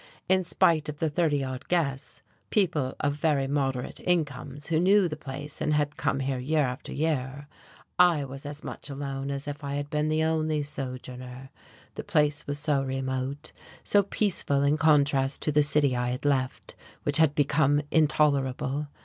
In spite of the thirty odd guests, people of very moderate incomes who knew the place and had come here year after year, I was as much alone as if I had been the only sojourner. The place was so remote, so peaceful in contrast to the city I had left, which had become intolerable.